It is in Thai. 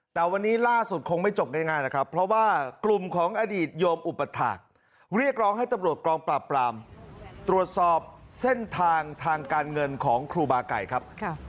แต่วันนี้ล่าสุดคงไม่จบง่ายนะครับเพราะว่ากลุ่มของอดีตโยมอุปถาคเรียกร้องให้ตำรวจกองปราบปรามตรวจสอบเส้นทางทางการเงินของครูบาไก่ครับ